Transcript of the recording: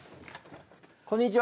こんにちは。